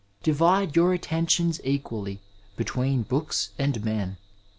Divide 7our attentions equall7 between books and men.